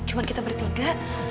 cuma kita bertiga